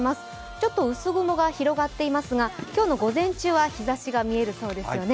ちょっと薄雲が広がっていますが今日の午前中は日ざしが差すそうですね。